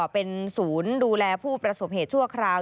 เป็นศูนย์ดูแลผู้ประสบเหตุชั่วคราว